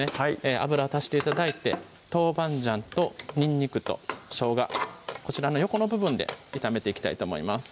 油を足して頂いて豆板醤とにんにくとしょうがこちらの横の部分で炒めていきたいと思います